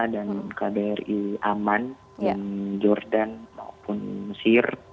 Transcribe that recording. dan kbri aman di jordan maupun mesir